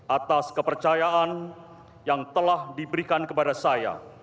atas kepercayaan yang telah diberikan kepada saya